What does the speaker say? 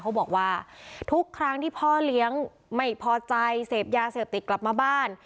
เขาบอกว่าทุกครั้งที่พ่อเลี้ยงไม่พอใจเสพยาเสพติดกลับมาบ้าน